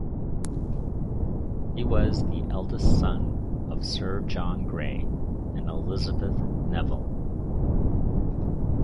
He was the eldest son of Sir John Grey and Elizabeth Nevill.